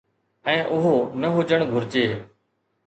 ۽ اهو نه هجڻ گهرجي.